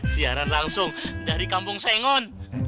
siaran langsung dari kampung sengon